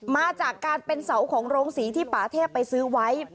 มาจากการเป็นเสาของโรงศรีที่ป่าเทพไปซื้อไว้